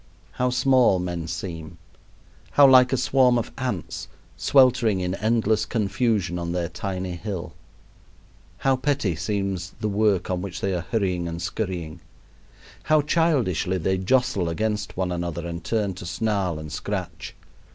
How small men seem, how like a swarm of ants sweltering in endless confusion on their tiny hill! How petty seems the work on which they are hurrying and skurrying! How childishly they jostle against one another and turn to snarl and scratch!